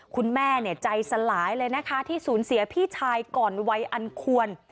คุณแม่ใจสลายเลยนะคะที่สูญเสียพี่ชายก่อนวัยอันควร